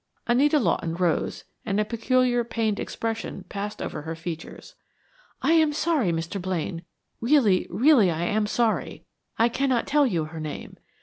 Anita Lawton rose, and a peculiar pained expression passed over her features. "I am sorry, Mr. Blaine really, really I am sorry. I cannot tell you her name.